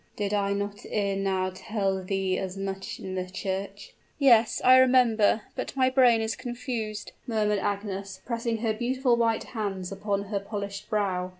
"Did I not ere now tell thee as much in the church?" "Yes I remember but my brain is confused!" murmured Agnes, pressing her beautiful white hands upon her polished brow.